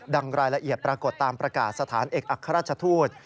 รายละเอียดปรากฏตามประกาศสถานเอกอัครราชทูต